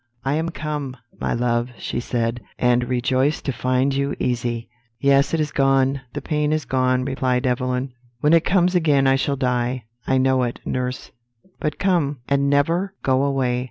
"'I am come, my love,' she said; 'and rejoice to find you easy.' "'Yes, it is gone the pain is gone,' replied Evelyn: 'when it comes again I shall die. I know it, nurse; but come, and never go away.